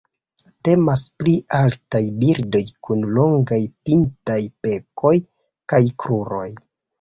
Temas pri altaj birdoj kun longaj pintaj bekoj kaj kruroj.